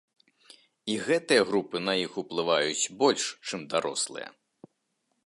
І гэтыя групы на іх уплываюць больш, чым дарослыя.